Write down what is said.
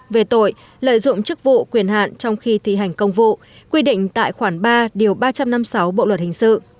về tội lợi dụng chức vụ quyền hạn trong khi thi hành công vụ quy định tại khoản ba điều ba trăm năm mươi sáu bộ luật hình sự